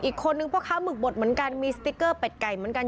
อีกคนนึงพ่อค้าหมึกบดเหมือนกันมีสติ๊กเกอร์เป็ดไก่เหมือนกัน